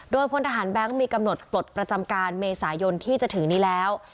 โดยพลทหารแบงค์มีกำหนดปลดประจำการเมษายนที่จะถึงนี้แล้ว